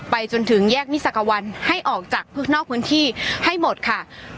จนถึงแยกมิสักวันให้ออกจากนอกพื้นที่ให้หมดค่ะ